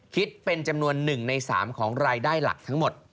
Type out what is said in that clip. คิดเป็นจำนวน๑ใน๓ของรายได้หลักทั้งหมด